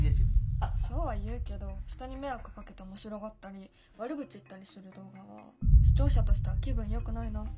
そうは言うけど人に迷惑をかけて面白がったり悪口言ったりする動画は視聴者としては気分よくないな。